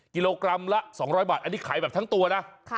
กละ๒๐๐บาทอันนี้ขายแบบทั้งตัวนะ